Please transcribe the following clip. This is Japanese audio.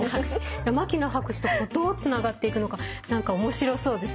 牧野博士とどうつながっていくのか何か面白そうですね。